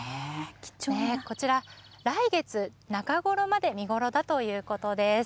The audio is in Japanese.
こちら、来月中ごろまで見頃だということです。